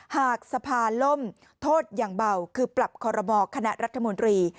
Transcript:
หากสภาล่มโทษอย่างเบาคือปรับคอรมอคณะรัฐมนตรี